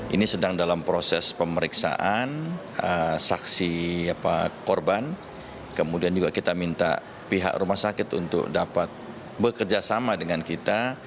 ini sedang dalam proses pemeriksaan saksi korban kemudian juga kita minta pihak rumah sakit untuk dapat bekerjasama dengan kita